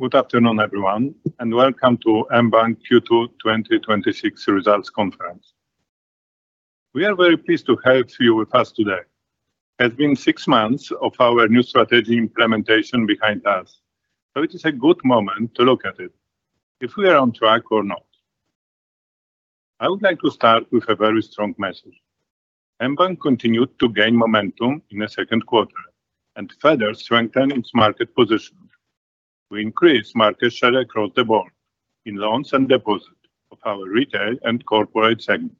Good afternoon, everyone, and welcome to mBank Q2 2026 results conference. We are very pleased to have you with us today. It has been six months of our new strategy implementation behind us, so it is a good moment to look at it, if we are on track or not. I would like to start with a very strong message. mBank continued to gain momentum in the second quarter and further strengthen its market position. We increased market share across the board in loans and deposits of our retail and corporate segment.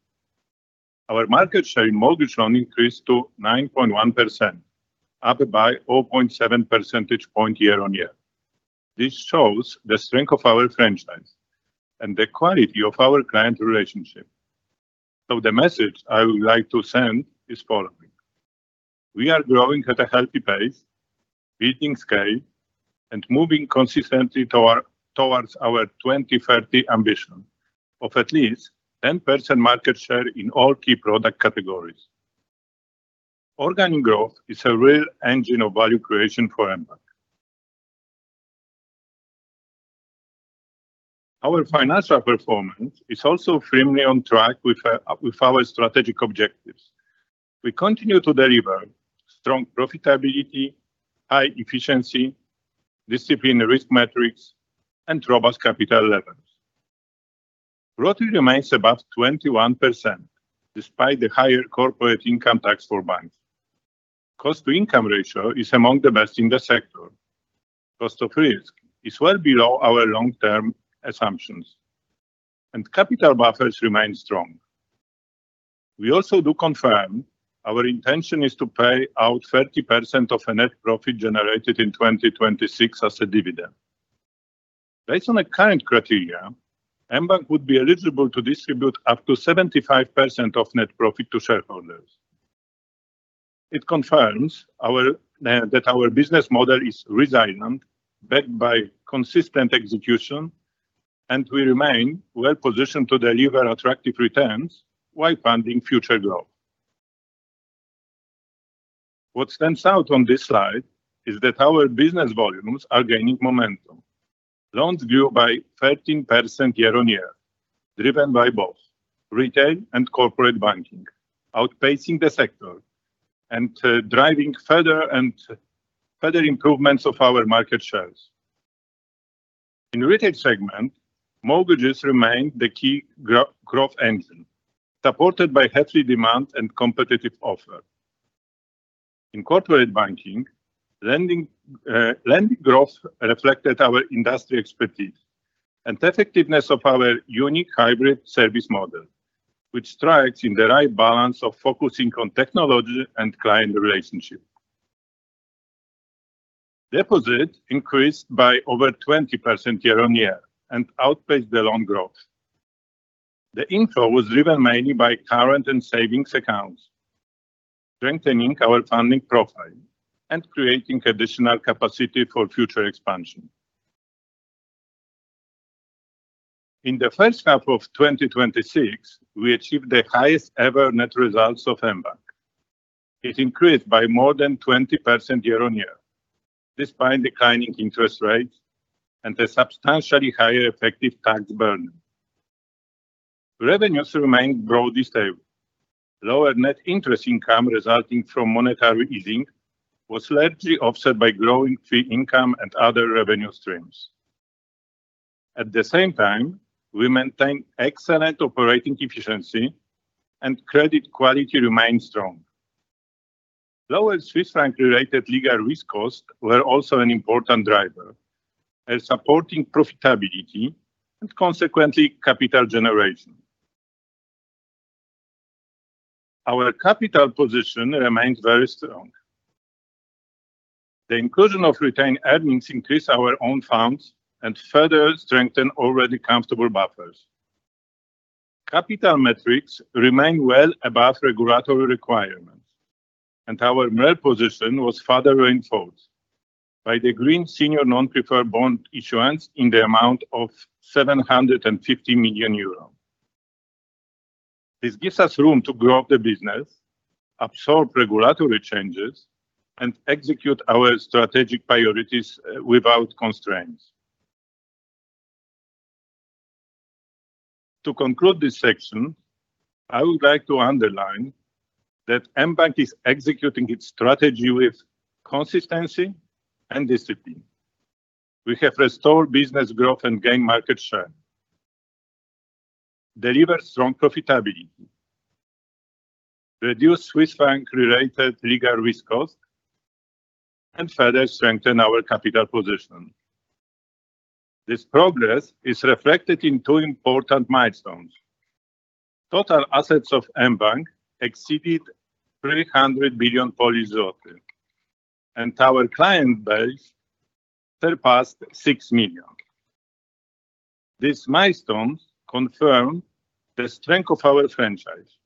Our market share in mortgage loan increased to 9.1%, up by 0.7 percentage point year-on-year. This shows the strength of our franchise and the quality of our client relationship. The message I would like to send is following: we are growing at a healthy pace, building scale, and moving consistently towards our 2030 ambition of at least 10% market share in all key product categories. Organic growth is a real engine of value creation for mBank. Our financial performance is also firmly on track with our strategic objectives. We continue to deliver strong profitability, high efficiency, disciplined risk metrics, and robust capital levels. ROTCE remains above 21%, despite the higher corporate income tax for banks. Cost-to-income ratio is among the best in the sector. Cost of risk is well below our long-term assumptions, and capital buffers remain strong. We also do confirm our intention is to pay out 30% of the net profit generated in 2026 as a dividend. Based on the current criteria, mBank would be eligible to distribute up to 75% of net profit to shareholders. It confirms that our business model is resilient, backed by consistent execution, and we remain well-positioned to deliver attractive returns while funding future growth. What stands out on this slide is that our business volumes are gaining momentum. Loans grew by 13% year-on-year, driven by both retail and corporate banking, outpacing the sector and driving further improvements of our market shares. In retail segment, mortgages remained the key growth engine, supported by healthy demand and competitive offer. In corporate banking, lending growth reflected our industry expertise and the effectiveness of our unique hybrid service model, which strikes in the right balance of focusing on technology and client relationship. Deposit increased by over 20% year-on-year and outpaced the loan growth. The inflow was driven mainly by current and savings accounts, strengthening our funding profile and creating additional capacity for future expansion. In the first half of 2026, we achieved the highest ever net results of mBank. It increased by more than 20% year-on-year, despite declining interest rates and a substantially higher effective tax burden. Revenues remained growth-stable. Lower net interest income resulting to monetary easing was slightly offset by growing income and other revenue streams. Lower Swiss franc-related legal risk costs were also an important driver in supporting profitability and consequently, capital generation. Our capital position remains very strong. The inclusion of retained earnings increase our own funds and further strengthen already comfortable buffers. Capital metrics remain well above regulatory requirements, and our MREL position was further reinforced by the green senior non-preferred bond issuance in the amount of 750 million euros. This gives us room to grow the business, absorb regulatory changes, and execute our strategic priorities without constraints. To conclude this section, I would like to underline that mBank is executing its strategy with consistency and discipline. We have restored business growth and gained market share, delivered strong profitability, reduced Swiss franc-related legal risk costs, and further strengthened our capital position. This progress is reflected in two important milestones. Total assets of mBank exceeded 300 billion Polish zloty, and our client base surpassed 6 million. These milestones confirm the strength of our franchise,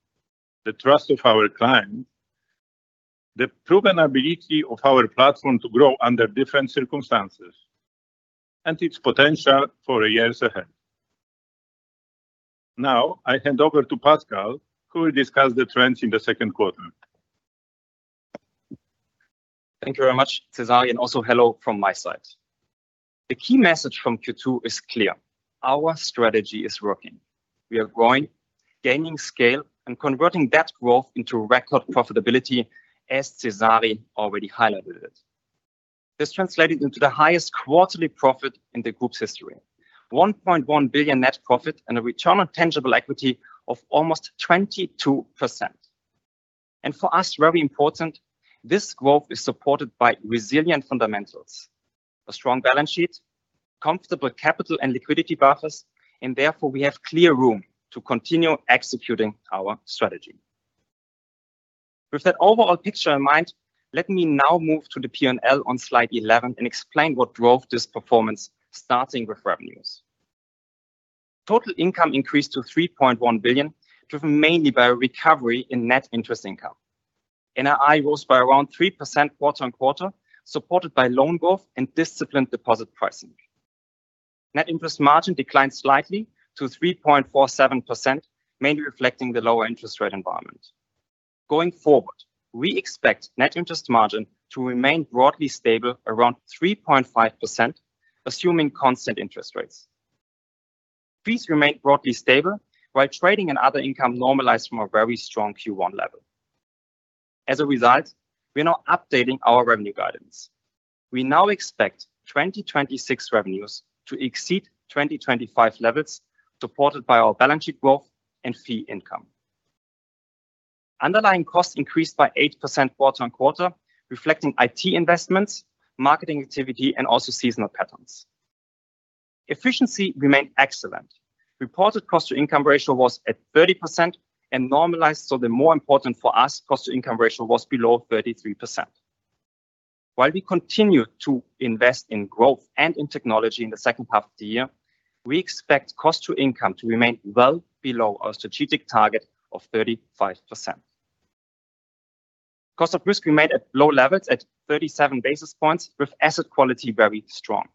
the trust of our clients, the proven ability of our platform to grow under different circumstances, and its potential for years ahead. Now, I hand over to Pascal, who will discuss the trends in the second quarter. Thank you very much, Cezary, and also hello from my side. The key message from Q2 is clear: our strategy is working. We are growing, gaining scale, and converting that growth into record profitability, as Cezary already highlighted. This translated into the highest quarterly profit in the group's history. 1.1 billion net profit and a return on tangible equity of almost 22%. For us, very important, this growth is supported by resilient fundamentals, a strong balance sheet, comfortable capital and liquidity buffers, and therefore, we have clear room to continue executing our strategy. With that overall picture in mind, let me now move to the P&L on slide 11 and explain what drove this performance, starting with revenues. Total income increased to 3.1 billion, driven mainly by a recovery in net interest income. NII rose by around 3% quarter-on-quarter, supported by loan growth and disciplined deposit pricing. Net interest margin declined slightly to 3.47%, mainly reflecting the lower interest rate environment. Going forward, we expect net interest margin to remain broadly stable around 3.5%, assuming constant interest rates. Fees remain broadly stable, while trading and other income normalized from a very strong Q1 level. As a result, we are now updating our revenue guidance. We now expect 2026 revenues to exceed 2025 levels, supported by our balance sheet growth and fee income. Underlying costs increased by 8% quarter-on-quarter, reflecting IT investments, marketing activity, and also seasonal patterns. Efficiency remained excellent. Reported cost to income ratio was at 30% and normalized, the more important for us, cost to income ratio was below 33%. While we continue to invest in growth and in technology in the second half of the year, we expect cost to income to remain well below our strategic target of 35%. Cost of risk remained at low levels at 37 basis points, with asset quality very strong.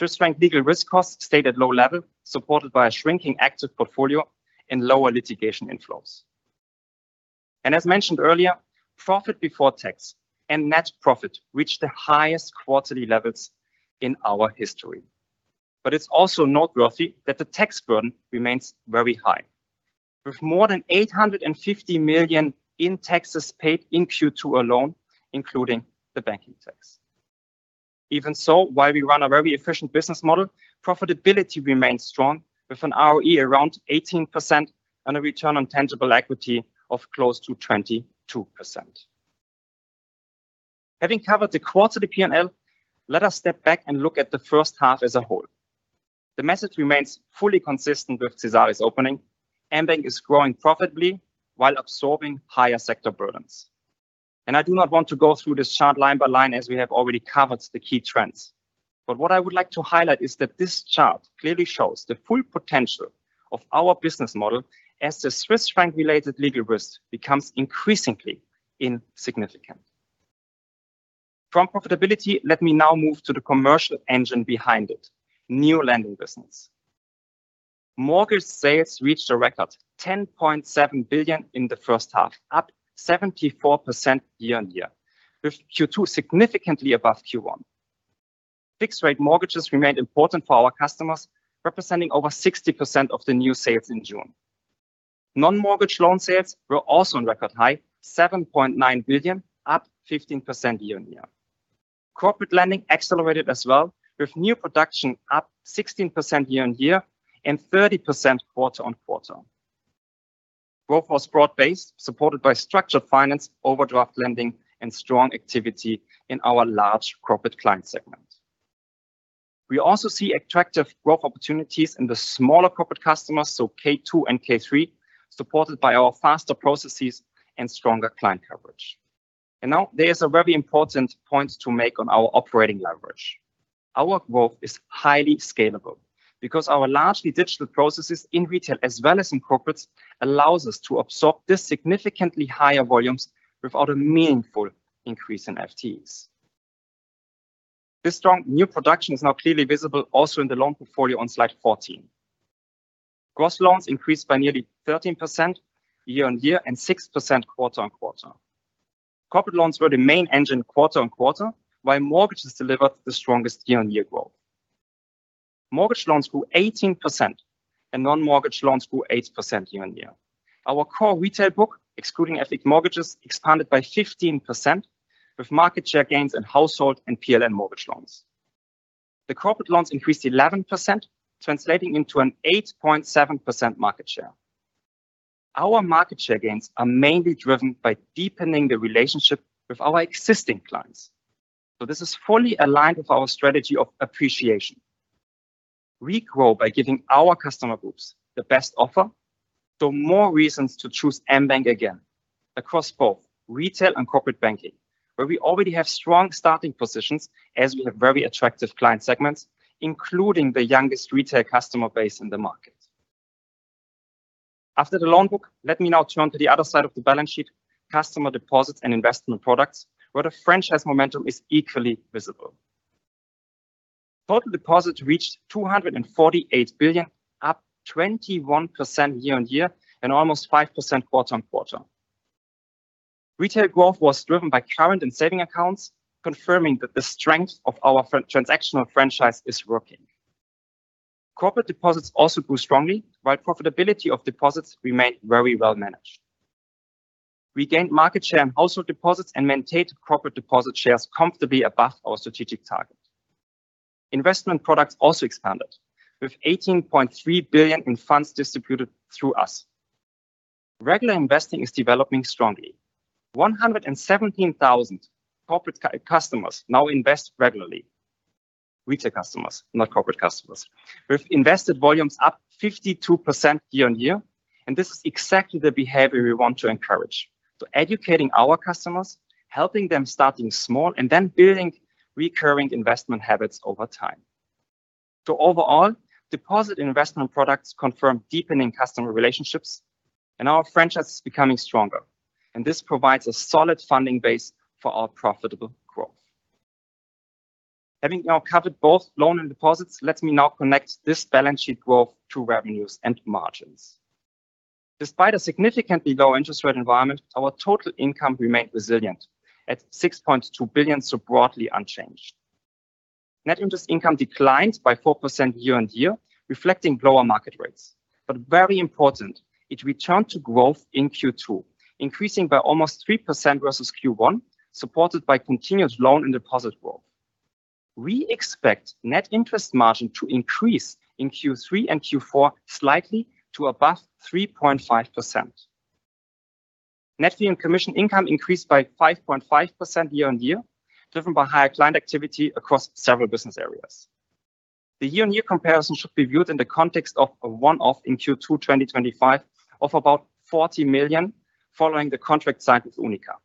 Swiss franc legal risk costs stayed at low level, supported by a shrinking active portfolio and lower litigation inflows. As mentioned earlier, profit before tax and net profit reached the highest quarterly levels in our history. It's also noteworthy that the tax burden remains very high, with more than 850 million in taxes paid in Q2 alone, including the banking tax. Even so, while we run a very efficient business model, profitability remains strong with an ROE around 18% and a return on tangible equity of close to 22%. Having covered the quarterly P&L, let us step back and look at the first half as a whole. The message remains fully consistent with Cezary's opening. mBank is growing profitably while absorbing higher sector burdens. I do not want to go through this chart line by line as we have already covered the key trends. What I would like to highlight is that this chart clearly shows the full potential of our business model as the Swiss franc-related legal risk becomes increasingly insignificant. From profitability, let me now move to the commercial engine behind it, new lending business. Mortgage sales reached a record 10.7 billion in the first half, up 74% year-on-year, with Q2 significantly above Q1. Fixed rate mortgages remained important for our customers, representing over 60% of the new sales in June. Non-mortgage loan sales were also on record high, 7.9 billion, up 15% year-on-year. Corporate lending accelerated as well, with new production up 16% year-on-year and 30% quarter-on-quarter. Growth was broad-based, supported by structured finance, overdraft lending, and strong activity in our large corporate client segment. We also see attractive growth opportunities in the smaller corporate customers, so K2 and K3, supported by our faster processes and stronger client coverage. Now there is a very important point to make on our operating leverage. Our growth is highly scalable because our largely digital processes in retail as well as in corporate, allows us to absorb this significantly higher volumes without a meaningful increase in FTEs. This strong new production is now clearly visible also in the loan portfolio on slide 14. Gross loans increased by nearly 13% year-on-year and 6% quarter-on-quarter. Corporate loans were the main engine quarter-on-quarter, while mortgages delivered the strongest year-on-year growth. Mortgage loans grew 18%, and non-mortgage loans grew 8% year-on-year. Our core retail book, excluding FX mortgages, expanded by 15%, with market share gains in household and PLN mortgage loans. The corporate loans increased 11%, translating into an 8.7% market share. Our market gains share are mainly driven by deepening the relationship of our existing plans. This is fully aligned with our strategy of appreciation. We grow by giving our customer groups the best offer, so more reasons to choose mBank again across both retail and corporate banking, where we already have strong starting positions, as we have very attractive client segments, including the youngest retail customer base in the market. After the loan book, let me now turn to the other side of the balance sheet, customer deposits and investment products, where the franchise momentum is equally visible. Total deposits reached 248 billion, up 21% year-on-year, and almost 5% quarter-on-quarter. Retail growth was driven by current and saving accounts, confirming that the strength of our transactional franchise is working. Corporate deposits also grew strongly, while profitability of deposits remained very well managed. We gained market share in household deposits and maintained corporate deposit shares comfortably above our strategic target. Investment products also expanded, with 18.3 billion in funds distributed through us. Regular investing is developing strongly. 117,000 corporate customers now invest regularly. Retail customers, not corporate customers. We have invested volumes up 52% year-on-year. This is exactly the behavior we want to encourage. Educating our customers, helping them starting small, and then building recurring investment habits over time. Overall, deposit investment products confirm deepening customer relationships and our franchise is becoming stronger. This provides a solid funding base for our profitable growth. Having now covered both loan and deposits, let me now connect this balance sheet growth to revenues and margins. Despite a significantly low interest rate environment, our total income remained resilient at 6.2 billion, broadly unchanged. Net interest declined by 4% year-on-year reflecting lower market rates. Very important, it returned to growth in Q2, increasing by almost 3% versus Q1, supported by continuous loan and deposit growth. We expect net interest margin to increase in Q3 and Q4 slightly to above 3.5%. Net fee and commission income increased by 5.5% year-on-year, driven by higher client activity across several business areas. The year-on-year comparison should be viewed in the context of a one-off in Q2 2025 of about 40 million, following the contract signed with UNIQA.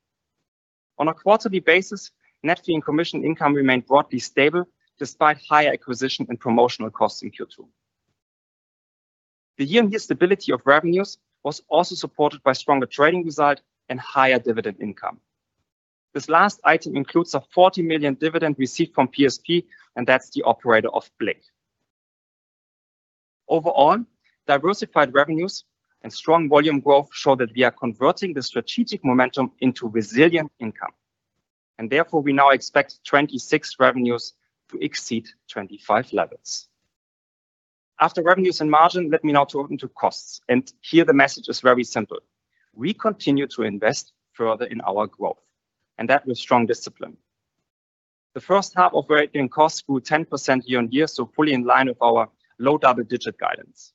On a quarterly basis, net fee and commission income remained broadly stable despite higher acquisition and promotional costs in Q2. The year-on-year stability of revenues was also supported by stronger trading result and higher dividend income. This last item includes a 40 million dividend received from PSP, and that's the operator of BLIK. Overall, diversified revenues and strong volume growth show that we are converting the strategic momentum into resilient income, therefore, we now expect 2026 revenues to exceed 2025 levels. After revenues and margin, let me now turn to costs, here the message is very simple. We continue to invest further in our growth, that with strong discipline. The first half operating costs grew 10% year-on-year, fully in line with our low double-digit guidance.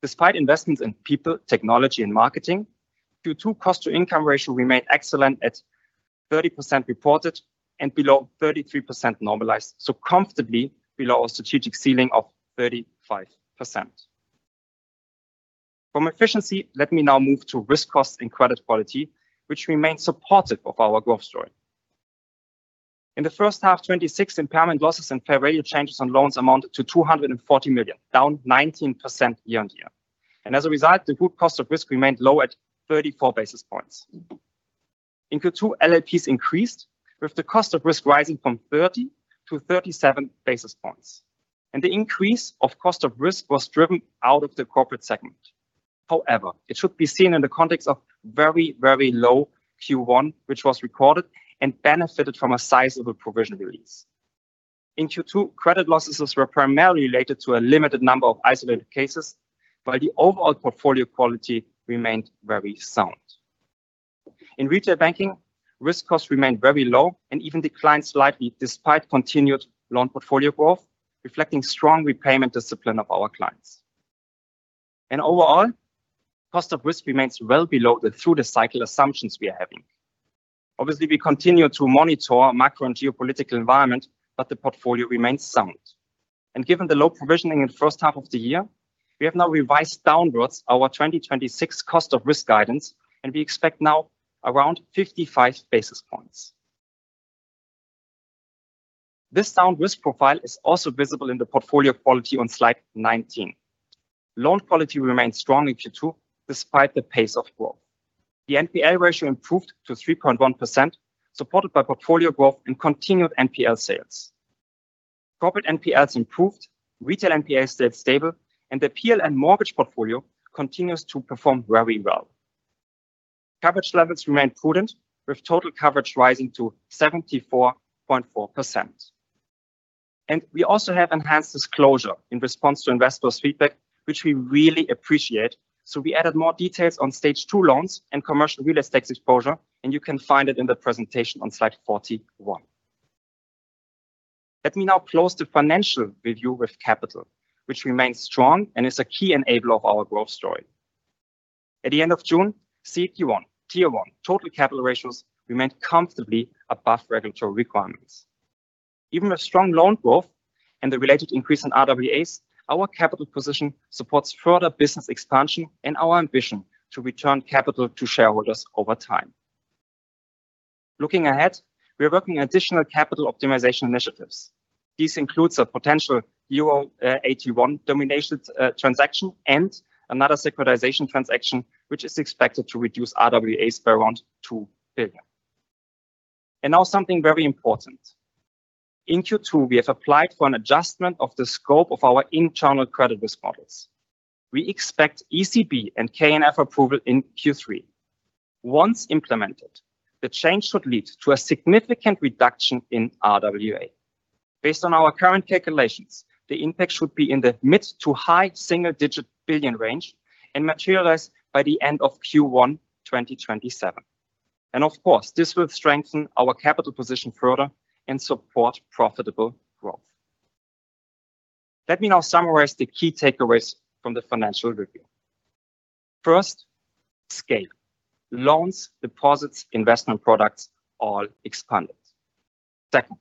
Despite investments in people, technology and marketing, Q2 cost to income ratio remained excellent at 30% reported and below 33% normalized, comfortably below our strategic ceiling of 35%. From efficiency, let me now move to risk costs and credit quality, which remain supportive of our growth story. In the first half 2026, impairment losses and fair value changes on loans amounted to 240 million, down 19% year-on-year. As a result, the group cost of risk remained low at 34 basis points. In Q2, LLPs increased, with the cost of risk rising from 30-37 basis points. The increase of cost of risk was driven out of the corporate segment. However, it should be seen in the context of very low Q1, which was recorded and benefited from a sizable provision release. In Q2, credit losses were primarily related to a limited number of isolated cases, while the overall portfolio quality remained very sound. In retail banking, risk costs remained very low and even declined slightly despite continued loan portfolio growth, reflecting strong repayment discipline of our clients. Overall, cost of risk remains well below the through-the-cycle assumptions we are having. Obviously, we continue to monitor macro and geopolitical environment, the portfolio remains sound. Given the low provisioning in the first half of the year, we have now revised downwards our 2026 cost of risk guidance, we expect now around 55 basis points. This sound risk profile is also visible in the portfolio quality on slide 19. Loan quality remained strong in Q2, despite the pace of growth. The NPA ratio improved to 3.1%, supported by portfolio growth and continued NPA sales. Corporate NPAs improved, retail NPAs stayed stable, and the PLN mortgage portfolio continues to perform very well. Coverage levels remained prudent, with total coverage rising to 74.4%. We also have enhanced disclosure in response to investors' feedback, which we really appreciate. We added more details on Stage 2 loans and commercial real estate exposure, and you can find it in the presentation on slide 41. Let me now close the financial review with capital, which remains strong and is a key enabler of our growth story. At the end of June, CET1, Tier 1, total capital ratios remained comfortably above regulatory requirements. Even with strong loan growth and the related increase in RWAs, our capital position supports further business expansion and our ambition to return capital to shareholders over time. Looking ahead, we are working on additional capital optimization initiatives. This includes a potential AT1 domination transaction and another securitization transaction, which is expected to reduce RWAs by around 2 billion. Now something very important. In Q2, we have applied for an adjustment of the scope of our internal credit risk models. We expect ECB and KNF approval in Q3. Once implemented, the change should lead to a significant reduction in RWA. Based on our current calculations, the impact should be in the mid-to-high PLN single-digit billion range and materialize by the end of Q1 2027. Of course, this will strengthen our capital position further and support profitable growth. Let me now summarize the key takeaways from the financial review. First, scale. Loans, deposits, investment products, all expanded. Second,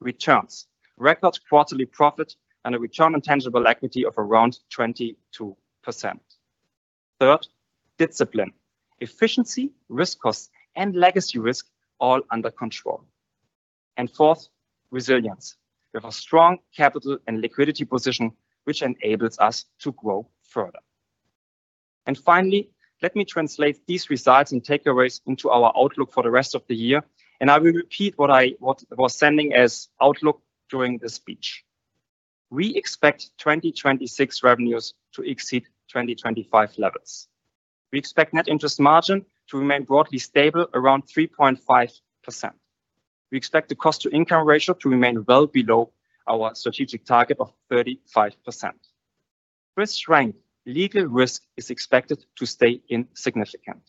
returns. Record quarterly profit and a return on tangible equity of around 22%. Third, discipline. Efficiency, risk cost, and legacy risk all under control. Fourth, resilience. We have a strong capital and liquidity position, which enables us to grow further. Finally, let me translate these results and takeaways into our outlook for the rest of the year, and I will repeat what I was sending as outlook during the speech. We expect 2026 revenues to exceed 2025 levels. We expect net interest margin to remain broadly stable around 3.5%. We expect the cost-to-income ratio to remain well below our strategic target of 35%. Swiss franc legal risk is expected to stay insignificant.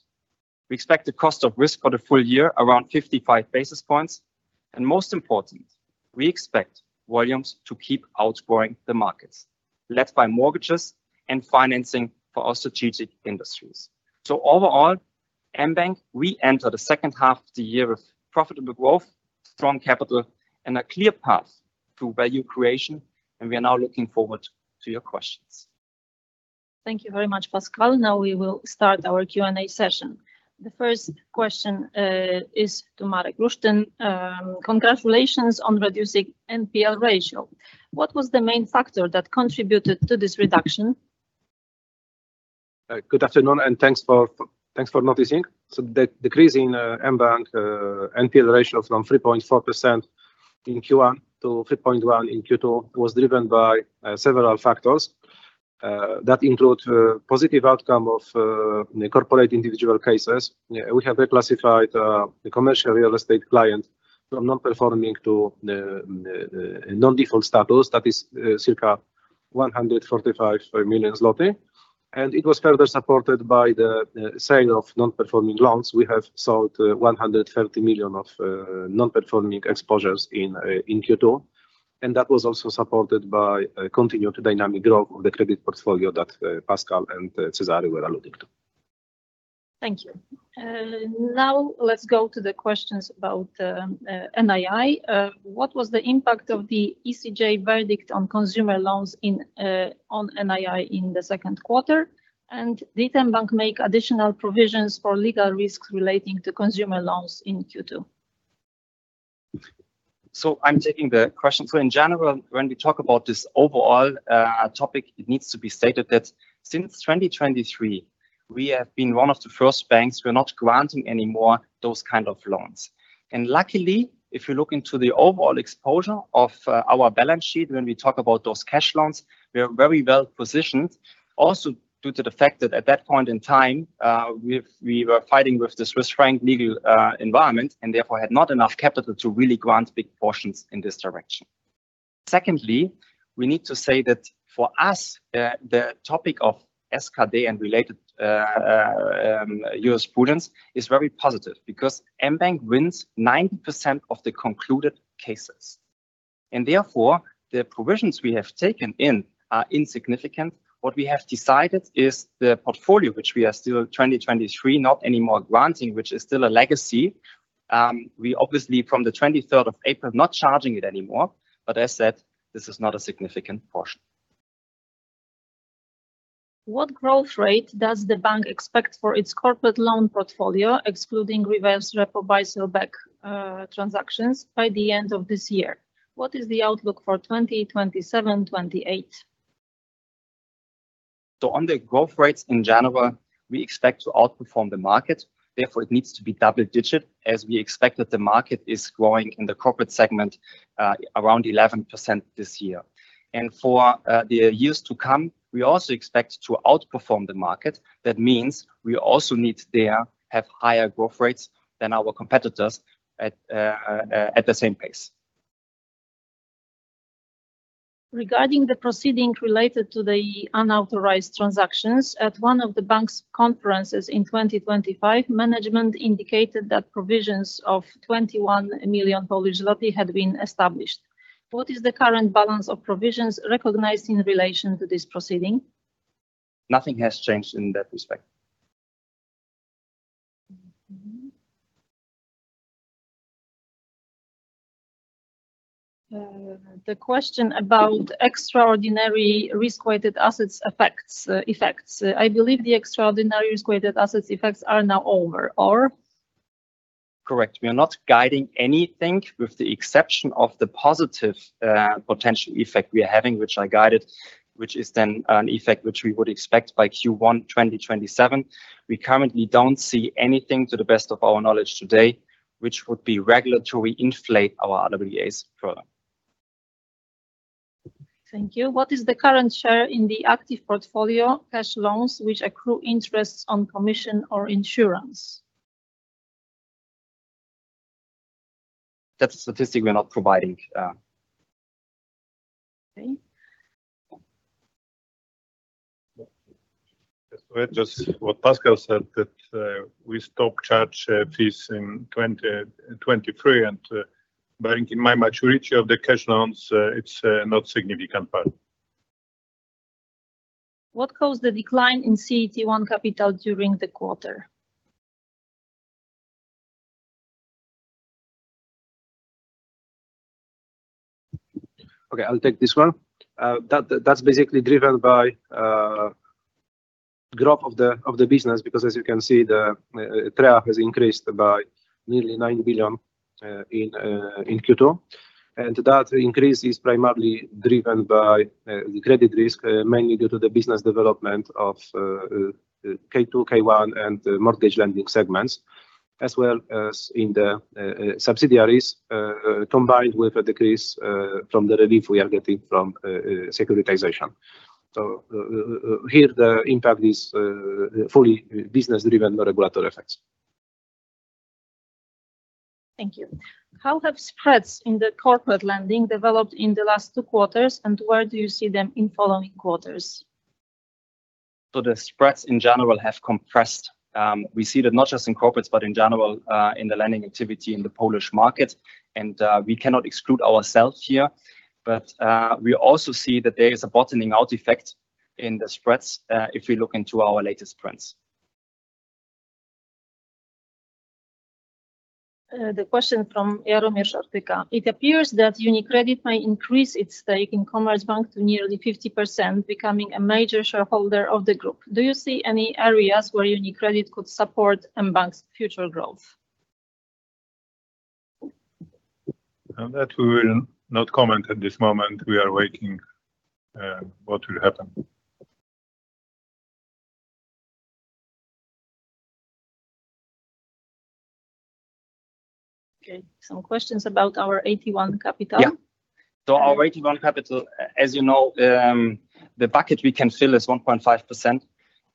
We expect the cost of risk for the full-year around 55 basis points, and most important, we expect volumes to keep outgrowing the markets, led by mortgages and financing for our strategic industries. Overall, mBank, we enter the second half of the year with profitable growth, strong capital, and a clear path to value creation. We are now looking forward to your questions. Thank you very much, Pascal. Now we will start our Q&A session. The first question is to Marek Lusztyn. Congratulations on reducing NPL ratio. What was the main factor that contributed to this reduction? Good afternoon, and thanks for noticing. The decrease in mBank NPL ratio from 3.4% in Q1 to 3.1% in Q2 was driven by several factors that include positive outcome of corporate individual cases. We have reclassified the commercial real estate client from not performing to non-default status. That is circa 145 million zloty. And it was further supported by the sale of non-performing loans. We have sold 130 million of non-performing exposures in Q2, and that was also supported by continued dynamic growth of the credit portfolio that Pascal and Cezary were alluding to. Thank you. Now let's go to the questions about NII. What was the impact of the ECJ verdict on consumer loans on NII in the second quarter? And did mBank make additional provisions for legal risks relating to consumer loans in Q2? I'm taking the question. In general, when we talk about this overall topic, it needs to be stated that since 2023, we have been one of the first banks who are not granting anymore those kind of loans. And luckily, if you look into the overall exposure of our balance sheet when we talk about those cash loans, we are very well-positioned, also due to the fact that at that point in time, we were fighting with the Swiss franc legal environment and therefore had not enough capital to really grant big portions in this direction. Secondly, we need to say that for us, the topic of SKD and related jurisprudence is very positive because mBank wins 90% of the concluded cases, and therefore, the provisions we have taken in are insignificant. What we have decided is the portfolio, which we are still in 2023 not anymore granting, which is still a legacy. We obviously from the 23rd of April, not charging it anymore, but as said, this is not a significant portion. What growth rate does the bank expect for its corporate loan portfolio, excluding reverse repo buy-sell back transactions, by the end of this year? What is the outlook for 2027, 2028? On the growth rates in general, we expect to outperform the market. Therefore, it needs to be double-digit, as we expect that the market is growing in the corporate segment around 11% this year. For the years to come, we also expect to outperform the market. That means we also need there have higher growth rates than our competitors at the same pace. Regarding the proceeding related to the unauthorized transactions at one of the bank's conferences in 2025, management indicated that provisions of 21 million Polish zloty had been established. What is the current balance of provisions recognized in relation to this proceeding? Nothing has changed in that respect. The question about extraordinary Risk-Weighted Assets effects. I believe the extraordinary Risk-Weighted Assets effects are now over, or? Correct. We are not guiding anything with the exception of the positive potential effect we are having, which I guided, which is an effect which we would expect by Q1 2027. We currently don't see anything, to the best of our knowledge today, which would be regulatory inflate our RWAs further. Thank you. What is the current share in the active portfolio cash loans which accrue interests on commission or insurance? That's a statistic we're not providing. Okay. Just what Pascal said, that we stopped charge fees in 2023, bearing in mind maturity of the cash loans, it's a not significant part. What caused the decline in CET1 capital during the quarter? Okay, I'll take this one. That's basically driven by growth of the business because as you can see, the TREA has increased by nearly 9 billion in Q2. That increase is primarily driven by the credit risk, mainly due to the business development of K2, K1 and the mortgage lending segments, as well as in the subsidiaries, combined with a decrease from the relief we are getting from securitization. Here the impact is fully business-driven, not regulatory effects. Thank you. How have spreads in the corporate lending developed in the last two quarters, and where do you see them in following quarters? The spreads in general have compressed. We see that not just in corporates, but in general in the lending activity in the Polish market, and we cannot exclude ourselves here. We also see that there is a bottoming out effect in the spreads, if we look into our latest prints. The question from Jaromir Szortyka. It appears that UniCredit may increase its stake in Commerzbank to nearly 50%, becoming a major shareholder of the group. Do you see any areas where UniCredit could support mBank's future growth? On that we will not comment at this moment. We are waiting what will happen. Okay. Some questions about our AT1 capital. Yeah. Our AT1 capital, as you know, the bucket we can fill is 1.5%,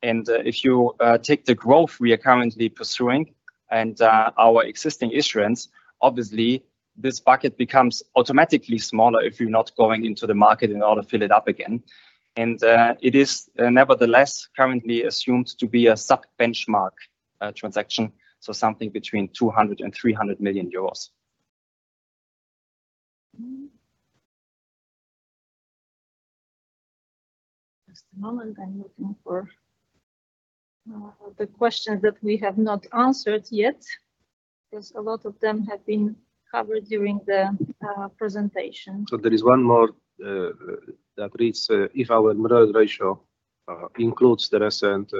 and if you take the growth we are currently pursuing and our existing issuance, obviously this bucket becomes automatically smaller if you are not going into the market in order to fill it up again. It is nevertheless currently assumed to be a sub-benchmark transaction, something between 200 million and 300 million euros. Just a moment. I am looking for the questions that we have not answered yet, because a lot of them have been covered during the presentation. There is one more, that reads, if our MREL ratio includes the recent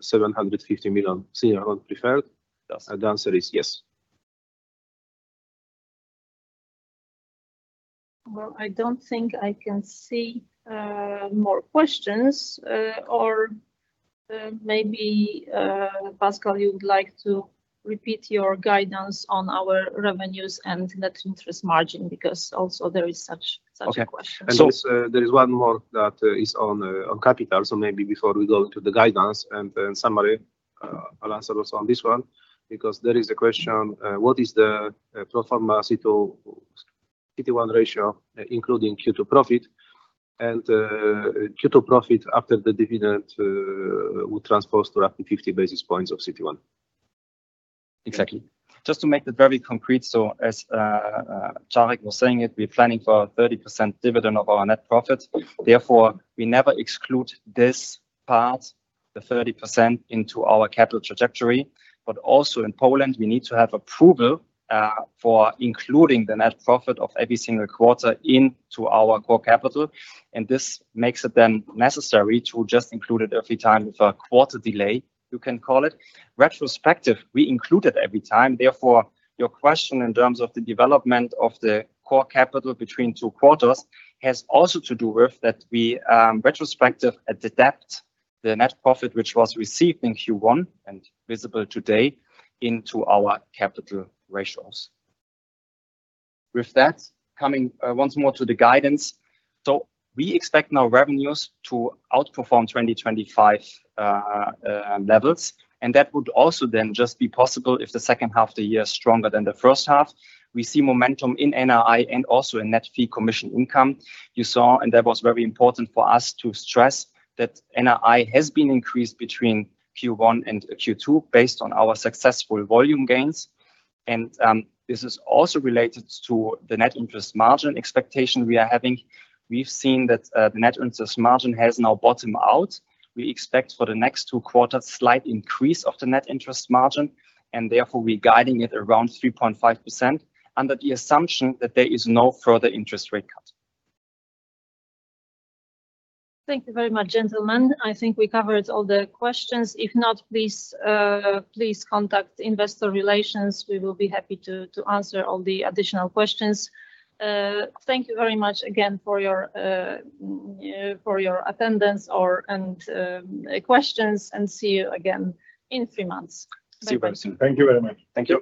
750 million senior non-preferred. Yes. The answer is yes. I don't think I can see more questions. Maybe, Pascal, you would like to repeat your guidance on our revenues and net interest margin, because also there is such a question. Also there is one more that is on capital, so maybe before we go to the guidance and summary, I'll answer also on this one because there is a question. What is the pro forma CET1 ratio, including Q2 profit? Q2 profit after the dividend will transpose to up to 50 basis points of CET1. To make that very concrete, as Marek was saying it, we're planning for 30% dividend of our net profit. We never exclude this part, the 30%, into our capital trajectory. Also in Poland, we need to have approval for including the net profit of every single quarter into our core capital, this makes it then necessary to just include it every time with a quarter delay, you can call it. Retrospective, we include it every time. Your question in terms of the development of the core capital between two quarters has also to do with that we retrospective adapt the net profit which was received in Q1 and visible today into our capital ratios. Coming once more to the guidance. We expect now revenues to outperform 2025 levels. That would also then just be possible if the second half of the year is stronger than the first half. We see momentum in NII and also in net fee commission income. You saw, and that was very important for us to stress, that NII has been increased between Q1 and Q2 based on our successful volume gains. This is also related to the net interest margin expectation we are having. We've seen that the net interest margin has now bottomed out. We expect for the next two quarters slight increase of the net interest margin. Therefore, we're guiding it around 3.5%, under the assumption that there is no further interest rate cut. Thank you very much, gentlemen. I think we covered all the questions. If not, please contact investor relations. We will be happy to answer all the additional questions. Thank you very much again for your attendance or, and questions, and see you again in three months. See you very soon. Thank you very much. Thank you.